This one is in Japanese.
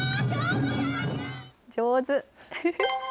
上手。